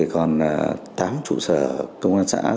còn tám trụ sở công an xã